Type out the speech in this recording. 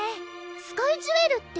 スカイジュエルって？